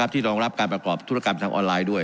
รองรับการประกอบธุรกรรมทางออนไลน์ด้วย